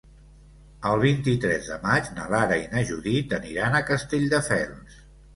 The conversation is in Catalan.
El vint-i-tres de maig na Lara i na Judit aniran a Castelldefels.